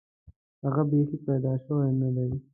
هغه بیخي پیدا شوی نه دی.